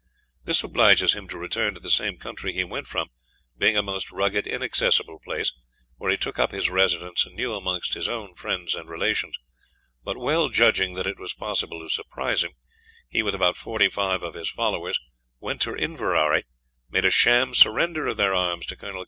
"This obliges him to return to the same countrie he went from, being a most rugged inaccessible place, where he took up his residence anew amongst his own friends and relations; but well judging that it was possible to surprise him, he, with about forty five of his followers, went to Inverary, and made a sham surrender of their arms to Coll.